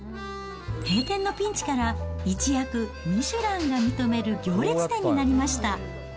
閉店のピンチから、一躍ミシュランが認める行列店になりました。